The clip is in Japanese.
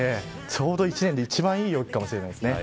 ちょうど１年で一番いい陽気かもしれませんね。